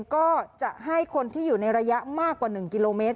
ก็จะให้คนที่อยู่ในระยะมากกว่า๑กิโลเมตร